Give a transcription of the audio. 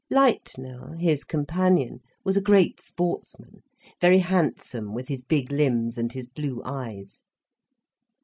Leitner, his companion, was a great sportsman, very handsome with his big limbs and his blue eyes.